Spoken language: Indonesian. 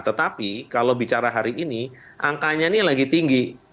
tetapi kalau bicara hari ini angkanya ini lagi tinggi